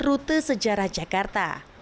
rute sejarah jakarta